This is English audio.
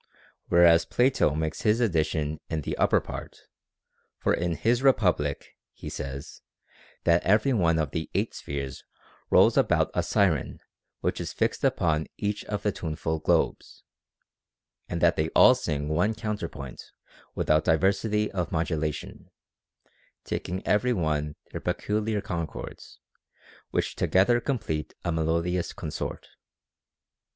Whereas Plato makes his addition in the upper part ; for in his Republic * he says, that every one of the eight spheres rolls about a Siren which is fixed upon each of the tuneful globes, and that they all sing one counterpoint without diversity of modulation, taking every one their peculiar concords, which together complete a melodious consort.